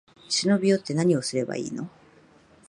忍び寄って、なにをすればいいの？